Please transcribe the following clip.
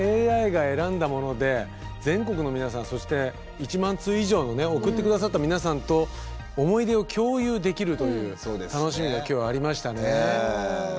ＡＩが選んだもので全国の皆さんそして１万通以上のね送って下さった皆さんと思い出を共有できるという楽しみが今日ありましたね。